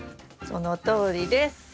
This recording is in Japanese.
そのとおりです。